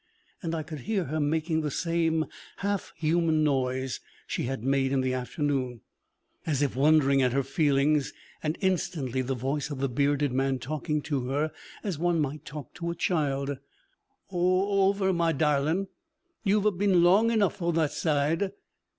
And I could hear her making the same half human noise she had made in the afternoon, as if wondering at her feelings; and instantly the voice of the bearded man talking to her as one might talk to a child: 'Oover, my darlin'; yu've a been long enough o' that side.